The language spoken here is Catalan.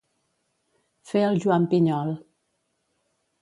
Fer el Joan Pinyol.